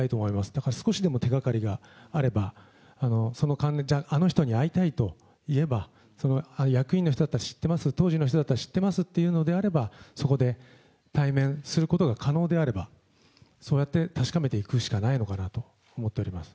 だから少しでも手がかりがあれば、あの人に会いたいと言えば、役員の人だったら知ってます、当時の人だったら知ってますというのであれば、そこで対面することが可能であれば、そうやって確かめていくしかないのかなと思っております。